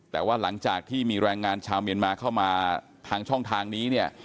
แต่ว่าหลังจากที่มีแรงงานชาวเมียนมาเข้ามาทางช่องทางนี้เนี่ย